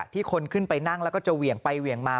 คนขึ้นไปนั่งแล้วก็จะเหวี่ยงไปเหวี่ยงมา